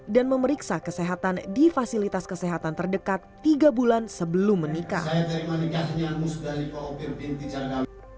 dan memeriksa kesehatan di fasilitas kesehatan terdekat tiga bulan sebelum menikah